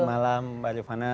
selamat malam mbak rivana